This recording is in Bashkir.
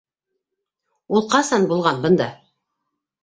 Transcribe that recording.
Ул ҡасан булған бында?